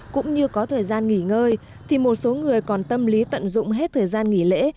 cũng như có thời gian nghỉ ngơi thì một số người còn tâm lý tận dụng hết thời gian nghỉ lễ